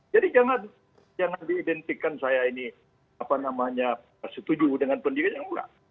jadi jangan diidentifikkan saya ini setuju dengan pendirian yang lain